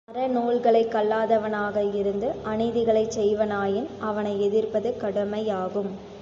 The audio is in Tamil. அறநூல்களைக் கல்லாதவனாக இருந்து அநீதிகளைச் செய்வானாயின் அவனை எதிர்ப்பது கடமையாகும்.